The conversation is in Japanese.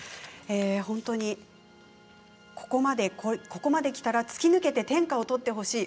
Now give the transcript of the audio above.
本当にここまできたら突き抜けて天下を取ってほしい。